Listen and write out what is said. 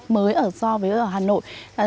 mới ở so với ở hà nội